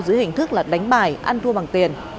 dưới hình thức là đánh bài ăn thua bằng tiền